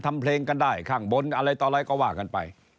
ทำเพลงกันได้ข้างบนอะไรต่ออะไรก็ว่ากันไป